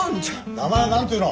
名前は何て言うの？